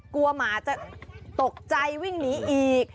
หมาจะตกใจวิ่งหนีอีก